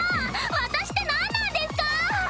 私って何なんですか！